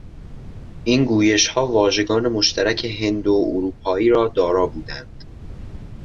این گویشها واژگان مشترک هند و اروپایی را دارا بودند.